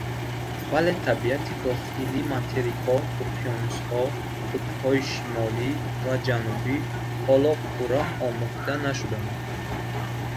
Вале табиати дохили материкҳо, уқёнусҳо, қутбҳои шимолӣ ва ҷанубӣ ҳоло пурра омӯхта нашудаанд.